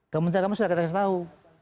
kementerian kami sudah kata kata tahu